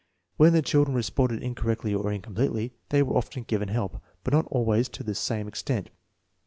When the chil dren responded incorrectly or ^incompletely, they were often given help, but not always to the same extent.